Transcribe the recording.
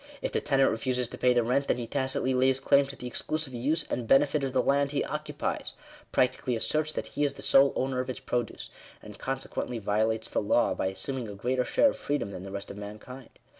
If the tenant refuses to pay the rent, then he tacitly lays claim to the exclusive use and benefit of the land he occupies — practically asserts that he is the sole owner of its produce ; and conse quently violates the law, by assuming a greater share of freedom than the rest of mankind.